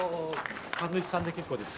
神主さんで結構です。